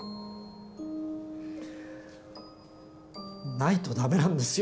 ないと駄目なんですよ。